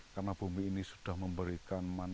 karena bumi ini sudah memberikan